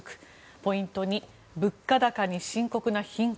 ポイント２物価高に深刻な貧困。